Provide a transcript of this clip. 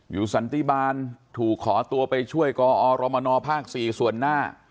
สันติบาลถูกขอตัวไปช่วยกอรมนภ๔ส่วนหน้า